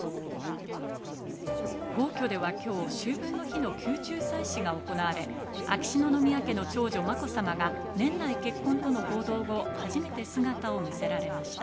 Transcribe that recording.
皇居では今日、秋分の日の宮中祭祀が行われ、秋篠宮家の長女・まこさまが年内結婚との報道後、初めて姿を見せられました。